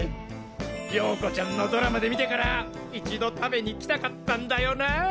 ヨーコちゃんのドラマで見てから一度食べに来たかったんだよな。